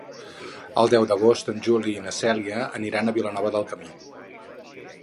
El deu d'agost en Juli i na Cèlia aniran a Vilanova del Camí.